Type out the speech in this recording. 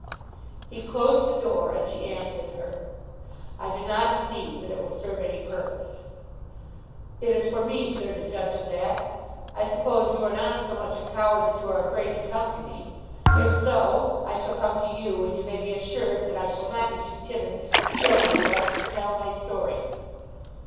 He closed the door as he answered her. "I do not see that it will serve any purpose." "It is for me, sir, to judge of that. I suppose you are not so much a coward that you are afraid to come to me. If so, I shall come to you; and you may be assured that I shall not be too timid to show myself and to tell my story."